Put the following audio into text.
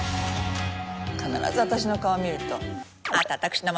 必ず私の顔見ると。